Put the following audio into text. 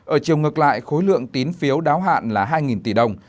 ở chiều ngược lại khối lượng tín phiếu đáo hạn là hai tỷ đồng